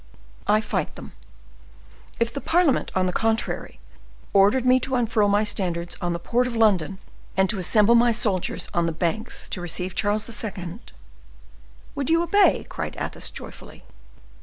I fight them. If the parliament, on the contrary, ordered me to unfurl my standards on the port of London, and to assemble my soldiers on the banks to receive Charles II.—" "You would obey?" cried Athos, joyfully.